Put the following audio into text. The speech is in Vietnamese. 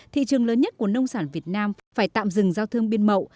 thị trường lớn nhất của nông sản việt nam phải tạm dừng giao thương biên mậu